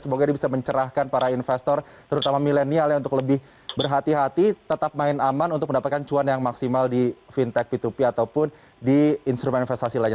semoga ini bisa mencerahkan para investor terutama milenial ya untuk lebih berhati hati tetap main aman untuk mendapatkan cuan yang maksimal di fintech p dua p ataupun di instrumen investasi lainnya